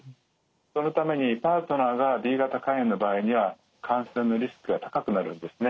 そのためにパートナーがＢ型肝炎の場合には感染のリスクが高くなるんですね。